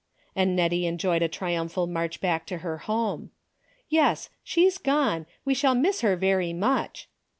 And JSTettie enjoyed a triumphal march back to her home. " Yes, she's gone, we shall miss her very much."